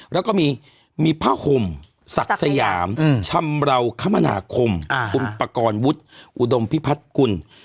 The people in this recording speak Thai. แล้วก็มีผ้าห่มศักดิ์สยามชำราวคมนาคมคุณประกอบวุฒิอุดมพิพัฒน์กุล